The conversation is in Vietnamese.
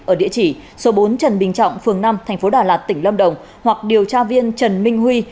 ở địa chỉ số bốn trần bình trọng phường năm thành phố đà lạt tỉnh lâm đồng hoặc điều tra viên trần minh huy